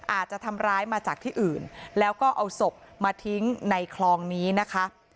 อาจจะทำร้ายมาจากที่อื่นแล้วก็เอาศพมาทิ้งในคลองนี้นะคะ